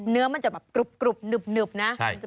เนื้อจะแบบกรุบกรุบหนึบหนึบนะใช่